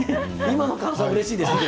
今の感想うれしいですね